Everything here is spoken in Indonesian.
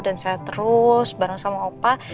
dan sehat terus bareng sama opa